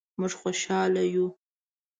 مونږ خوشحاله یو